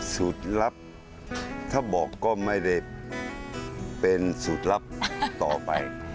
สูตรลับถ้าบอกก็ไม่ได้เป็นสูตรลับต่อไป